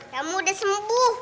kamu udah sembuh